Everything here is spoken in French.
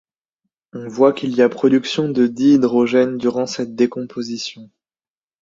On voit qu’il y a production de dihydrogène durant cette décomposition.